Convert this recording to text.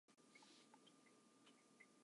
スーパーへ行く